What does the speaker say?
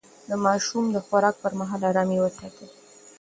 د ماشوم د خوراک پر مهال ارامي وساتئ.